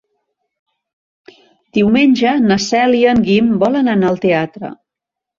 Diumenge na Cel i en Guim volen anar al teatre.